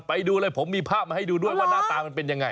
ไปดูเลยผมมีภาพมาให้ดูด้วยว่าหน้าตามันเป็นยังไง